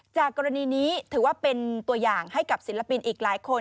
จากกรณีนี้ถือว่าเป็นตัวอย่างให้กับศิลปินอีกหลายคน